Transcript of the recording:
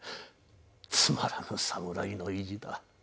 つまらぬ侍の意地だ。